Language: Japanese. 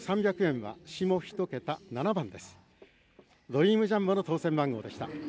ドリームジャンボの当せん番号でした。